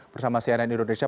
bersama cnn indonesia